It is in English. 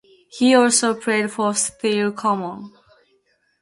He also played for Stile Common.